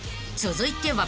［続いては］